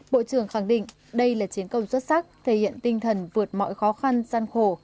bộ trưởng khẳng định đây là chiến công xuất sắc thể hiện tinh thần vượt mọi khó khăn gian khổ